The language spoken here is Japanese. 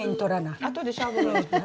あとでしゃぶるん。